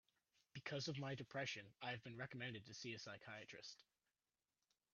Because of my depression, I have been recommended to see a psychiatrist.